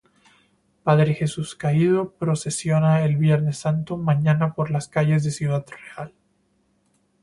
Padre Jesús Caído procesiona el Viernes Santo mañana por las calles de Ciudad Real.